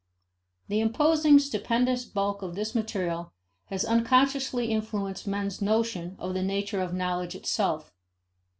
The imposing stupendous bulk of this material has unconsciously influenced men's notions of the nature of knowledge itself.